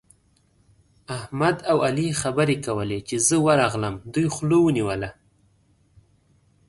احمد او علي خبرې کولې؛ چې زه ورغلم، دوی خوله ونيوله.